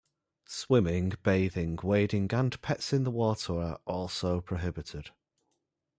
Swimming, bathing, wading and pets in the water are also prohibited.